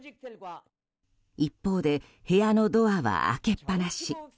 一方で部屋のドアは開けっ放し。